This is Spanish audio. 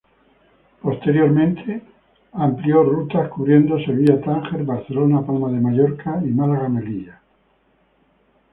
Posteriormente amplió rutas cubriendo Sevilla-Tánger, Barcelona-Palma de Mallorca y Málaga-Melilla.